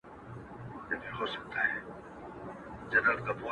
• د رڼاگانو شيسمحل کي به دي ياده لرم.